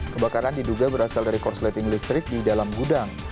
kebakaran diduga berasal dari korsleting listrik di dalam gudang